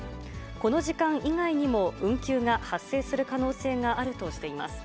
この時間以外にも運休が発生する可能性があるとしています。